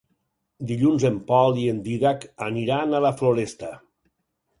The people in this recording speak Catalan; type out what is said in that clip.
Dilluns en Pol i en Dídac aniran a la Floresta.